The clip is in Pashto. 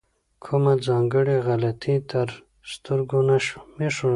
کومه ځانګړې غلطي تر سترګو نه شوه.